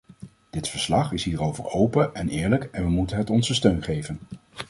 Dit verslag is hierover open en eerlijk en we moet het onze steun geven.